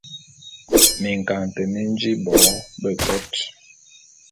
Minkaňete mi mi nji bo betot.